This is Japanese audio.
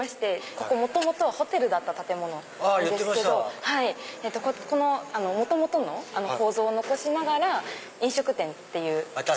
ここ元々はホテルだった建物なんですけど元々の構造を残しながら飲食店っていう。